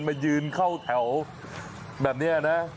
มายืนเข้าแถวแบบนี้นะ